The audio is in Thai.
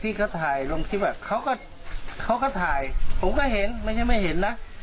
ที่เขาถ่ายลงคลิปอ่ะเขาก็เขาก็ถ่ายผมก็เห็นไม่ใช่ไม่เห็นนะ